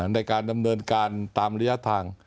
ในการดำเนินการตามระยะทาง